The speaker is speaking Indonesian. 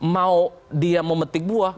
mau dia memetik buah